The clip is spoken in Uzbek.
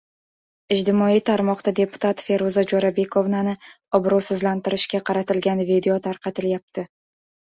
Ijtimoiy tarmoqda deputat Feruza Jo‘rabekovnani obro‘sizlantirishga qaratilgan video tarqatilyapti